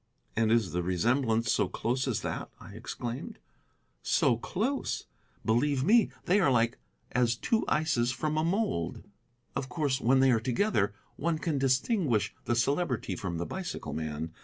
"And is the resemblance so close as that?" I exclaimed. "So close! Believe me, they are as like as two ices from a mould. Of course, when they are together one can distinguish the Celebrity from the bicycle man.